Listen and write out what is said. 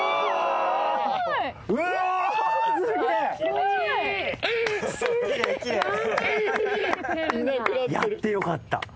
・やってよかった。